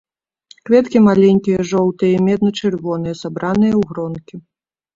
Кветкі маленькія, жоўтыя і медна-чырвоныя, сабраныя ў гронкі.